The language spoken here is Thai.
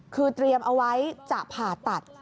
คือเตรียมเอาไว้จะผ่าตัด